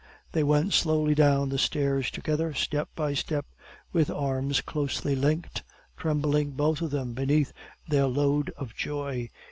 They went slowly down the stairs together, step for step, with arms closely linked, trembling both of them beneath their load of joy.